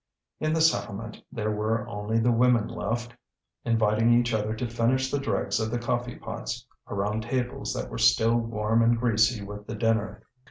In the settlement there were only the women left, inviting each other to finish the dregs of the coffee pots, around tables that were still warm and greasy with the dinner.